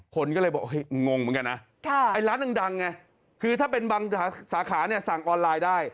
คนก็เลยบอกงงเหมือนกันนะไอ้ร้านดังไงคือถ้าเป็นบางสาขาเนี่ยสั่งออนไลน์ได้